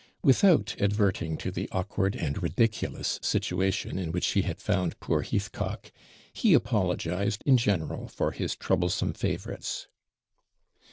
Without adverting to the awkward and ridiculous situation in which he had found poor Heathcock, he apologised in general for his troublesome favourites.